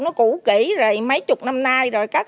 nó cũ kỹ rồi mấy chục năm nay rồi các